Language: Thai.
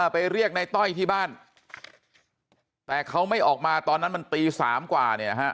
ไปเรียกในต้อยที่บ้านแต่เขาไม่ออกมาตอนนั้นมันตี๓กว่าเนี่ยฮะ